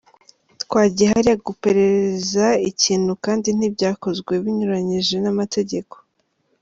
Twagiye hariya guperereza ikintu kandi ntibyakozwe binyuranyije n’amategeko“.